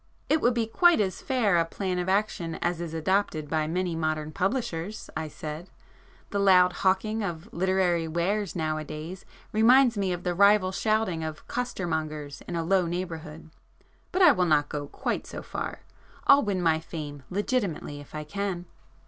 "It would be quite as fair a plan of action as is adopted by many modern publishers," I said—"The loud hawking of [p 80] literary wares now a days reminds me of the rival shouting of costermongers in a low neighbourhood. But I will not go quite so far,—I'll win my fame legitimately if I can."